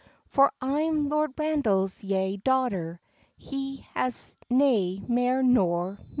For I'm Lord Randal's yae daughter, He has nae mair nor me."